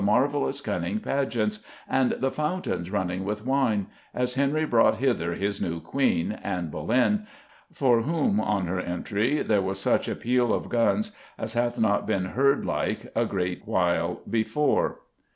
A writer of the time speaks of the "marvellous cunning pageants," and the "fountains running with wine" as Henry brought hither his new Queen, Anne Boleyn, for whom, on her entry "there was such a pele of gonnes as hath not byn herde lyke a great while before."